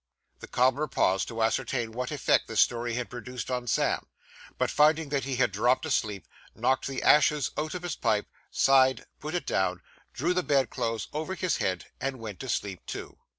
The cobbler paused to ascertain what effect his story had produced on Sam; but finding that he had dropped asleep, knocked the ashes out of his pipe, sighed, put it down, drew the bed clothes over his head, and went to sleep, too.